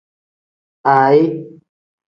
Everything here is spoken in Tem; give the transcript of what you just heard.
Aayi.